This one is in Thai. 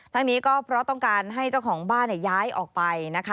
ทั้งนี้ก็เพราะต้องการให้เจ้าของบ้านย้ายออกไปนะคะ